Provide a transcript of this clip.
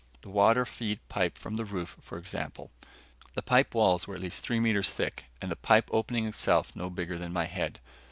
The water feed pipe from the roof, for example. The pipe walls were at least three meters thick and the pipe opening itself no bigger than my head.